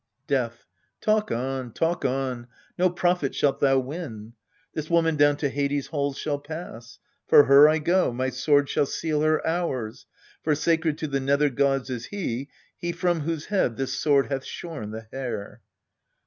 Death. Talk on, talk on : no profit shalt thou win. This woman down to Hades' halls shall pass. For her I go : my sword shall seal her ours : For sacred to the nether gods is he, He from whose head this sword hath shorn the hair.